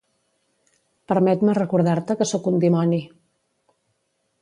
Permet-me recordar-te que sóc un dimoni!